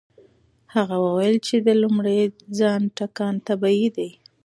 هغه وویل چې د لومړي ځل ټکان طبيعي دی.